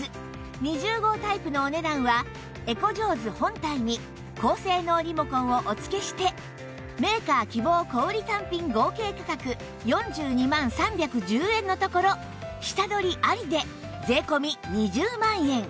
２０号タイプのお値段はエコジョーズ本体に高性能リモコンをお付けしてメーカー希望小売単品合計価格４２万３１０円のところ下取りありで税込２０万円